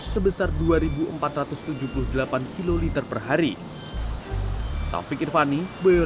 sebesar dua empat ratus tujuh puluh delapan kiloliter per hari